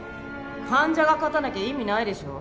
患者が勝たなきゃ意味ないでしょ。